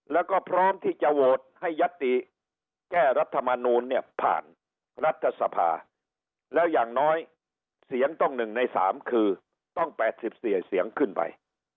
แล้วก็พร้อมที่จะโหวตให้ยัตติแก้รัฐมนูลเนี่ยผ่านรัฐสภาแล้วอย่างน้อยเสียงต้อง๑ใน๓คือต้อง๘๔เสียงขึ้นไป